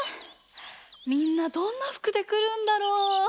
みんなどんなふくでくるんだろう？